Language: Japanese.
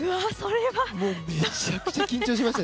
めちゃくちゃ緊張しました。